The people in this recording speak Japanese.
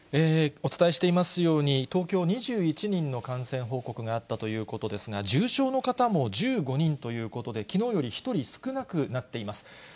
お伝えしていますように、東京２１人の感染報告があったということですが、重症の方も１５人ということで、きのうより１人少なくなっています。